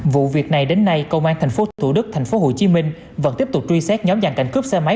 vụ việc này đến nay công an tp thủ đức tp hcm vẫn tiếp tục truy xét nhóm dàn cảnh cướp xe máy